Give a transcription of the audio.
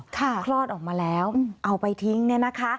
คลอดออกมาแล้วเอาไปทิ้งเนี่ยนะคะ